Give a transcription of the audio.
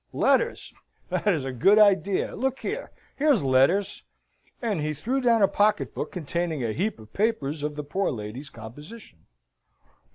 Letters! that is a good idea! Look here! Here's letters!" And he threw down a pocket book containing a heap of papers of the poor lady's composition.